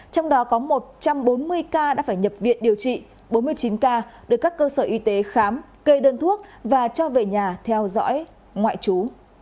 trong đó có một trăm bốn mươi ca đã phải nhập viện điều trị bốn mươi chín ca được các cơ sở y tế khám kê đơn thuốc và cho về nhà theo dõi ngoại trú